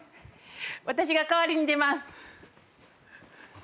私が代わりに出ます。